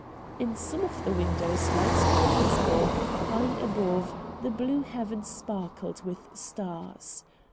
In some of the windows lights were visible ; high above, the blue heaven sparkled with stars.